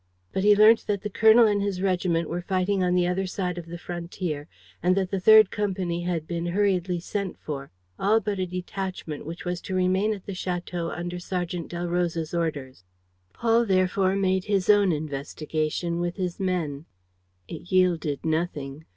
But he learnt that the colonel and his regiment were fighting on the other side of the frontier and that the 3rd Company had been hurriedly sent for, all but a detachment which was to remain at the château under Sergeant Delroze's orders. Paul therefore made his own investigation with his men. It yielded nothing.